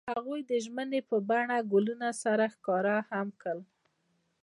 هغوی د ژمنې په بڼه ګلونه سره ښکاره هم کړه.